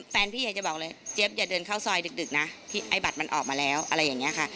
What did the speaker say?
พี่อยากจะบอกเลยเจี๊ยบอย่าเดินเข้าซอยดึกนะที่ไอ้บัตรมันออกมาแล้วอะไรอย่างนี้ค่ะ